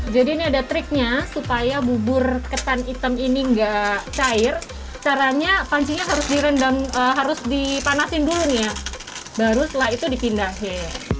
jadi ini ada triknya supaya bubur ketan hitam ini enggak cair caranya pancinya harus dipanasin dulu nih ya baru setelah itu dipindahin